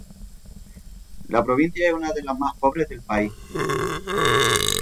La provincia es una de las más pobres del país.